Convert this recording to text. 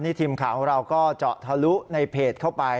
นี่ทีมข่าวเราก็เจาะเถารุในเพจเข้าไป